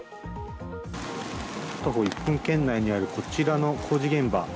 徒歩１分圏内にあるこちらの工事現場